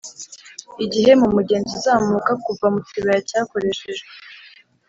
igihe, mumugenzi uzamuka, kuva mukibaya cyakoreshejwe;